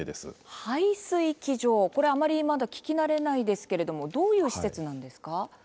排水機場、あまりまだ聞き慣れないですけれどもどういう施設なんですか？